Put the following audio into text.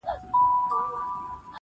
او په څلوردېرش کلنی کي -